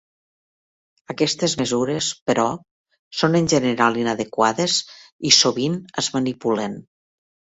Aquestes mesures, però, són en general inadequades i sovint es manipulen.